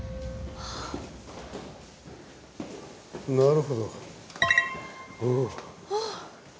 なるほどお。